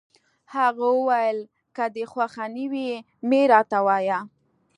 هغه وویل: که دي خوښه نه وي، مه يې راته وایه.